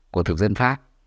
của thực dân pháp